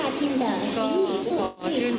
ก็ขอชื่นชื่นครับ